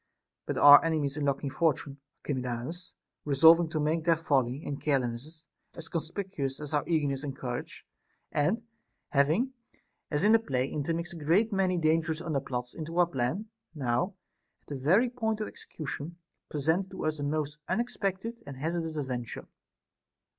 But our enemies' unlucky Fortune, Archiclamus, resolving to make their folly and carelessness as conspicuous as our eagerness and courage, and having, as in a play, intermixed a great many dangerous underplots into our plan, now, at the very point of its execution, presented to us a most unexpected and hazardous adven ture.